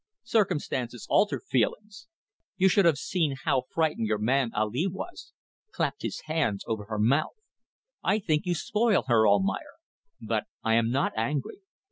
Circumstances alter feelings. You should have seen how frightened your man Ali was. Clapped his hands over her mouth. I think you spoil her, Almayer. But I am not angry.